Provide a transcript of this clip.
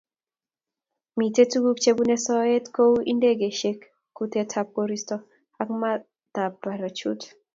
Mitei tuguuk chebunei soeet kou indegeisyek, kutetab koristo ako maatab parachute.